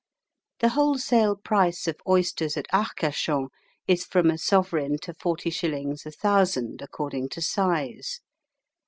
The wholesale price of oysters at Arcachon is from a sovereign to forty shillings a thousand, according to size.